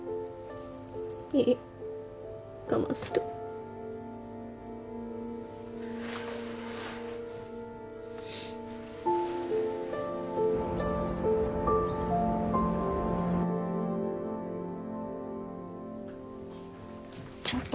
いい我慢するちょっと！